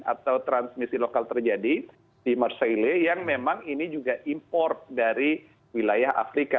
atau transmisi lokal terjadi di merceile yang memang ini juga import dari wilayah afrika